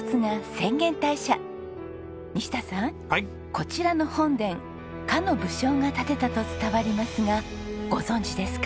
こちらの本殿かの武将が建てたと伝わりますがご存じですか？